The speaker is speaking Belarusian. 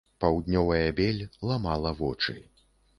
Паўднёвая бель ламала вочы.